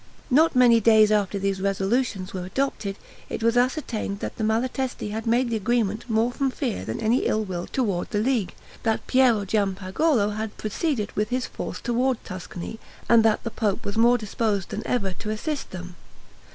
Not many days after these resolutions were adopted, it was ascertained that the Malatesti had made the agreement more from fear than any ill will toward the League; that Piero Giampagolo had proceeded with his force toward Tuscany, and that the pope was more disposed than ever to assist them.